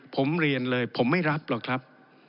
ผมเรียนเลยผมไม่รับหรอกครับ